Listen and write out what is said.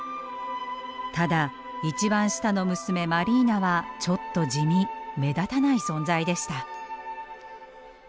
ただ一番下の娘マリーナはちょっと地味目立たない存在でした。